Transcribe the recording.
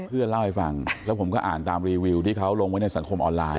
เพื่อนเล่าให้ฟังแล้วผมก็อ่านตามรีวิวที่เขาลงไว้ในสังคมออนไลน